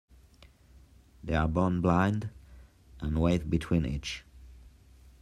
They are born blind and weigh between each.